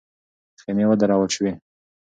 خېمې ودرول سوې.